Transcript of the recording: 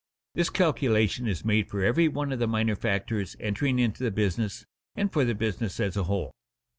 This calculation is made for every one of the minor factors entering into the business, and for the business as a whole.